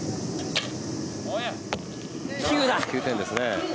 ９点ですね。